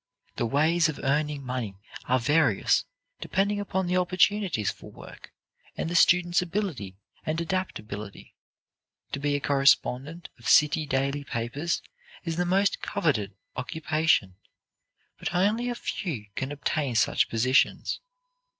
The ways of earning money are various, depending upon the opportunities for work, and the student's ability and adaptability. To be a correspondent of city daily papers is the most coveted occupation, but only a few can obtain such positions.